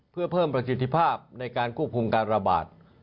เพื่อเพิ่มประสิทธิภาพในการควบคุมการระบาด